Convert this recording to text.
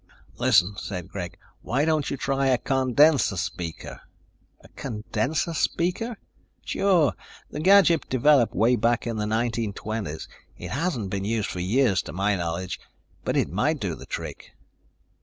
"Listen," said Greg, "why don't you try a condenser speaker." "A condenser speaker?" "Sure, the gadget developed way back in the 1920s. It hasn't been used for years to my knowledge, but it might do the trick."